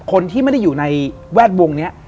คนที่ไม่ได้อยู่ในแวดวงนี้